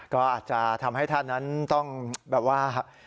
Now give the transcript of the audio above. ก็อาจจะทำให้ท่านนั้นต้องแบบว่า